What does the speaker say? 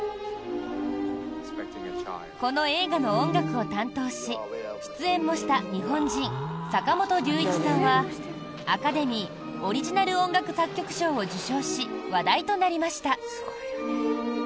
この映画の音楽を担当し出演もした日本人、坂本龍一さんはアカデミーオリジナル音楽作曲賞を受賞し話題となりました。